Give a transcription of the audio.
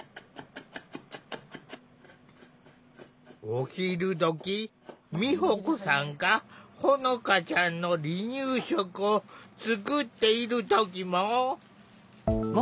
お昼どき美保子さんがほのかちゃんの離乳食を作っている時も。